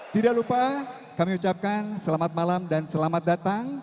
tidak lupa kami ucapkan selamat malam dan selamat datang